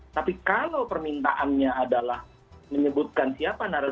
tapi kalau permintaannya adalah menyebutkan siapa narasumber